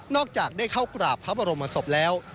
นอกจากได้เข้ากราบภัพโรมศพแล้ว